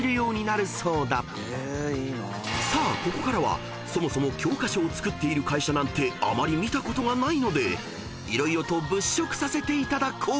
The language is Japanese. ［さあここからはそもそも教科書を作っている会社なんてあまり見たことがないので色々と物色させていただこう］